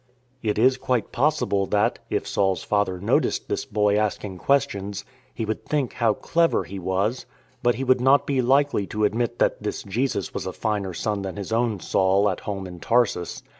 It is quite possible that, if Saul's father noticed this Boy asking questions, he would think how clever He was ; but he would not be likely to admit that this Jesus was a finer son than his own Saul at home in Tarsus.